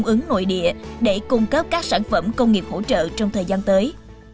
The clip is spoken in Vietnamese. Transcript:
các nhà công ứng nội địa để cung cấp các sản phẩm công nghiệp hỗ trợ trong thời gian tới